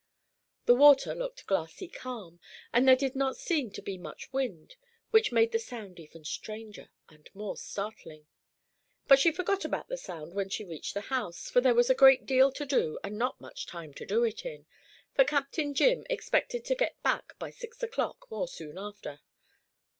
The water looked glassy calm, and there did not seem to be much wind, which made the sound even stranger and more startling. But she forgot about the sound when she reached the house, for there was a great deal to do and not much time to do it in, for Captain Jim expected to get back by six o'clock or soon after.